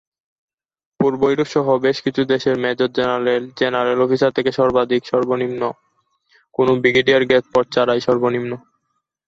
পূর্ব Europe সহ বেশ কিছু দেশে মেজর জেনারেল, জেনারেল অফিসার থেকে সর্বাধিক সর্বনিম্ন, কোন ব্রিগেডিয়ার-গ্রেড পদ ছাড়াই সর্বনিম্ন।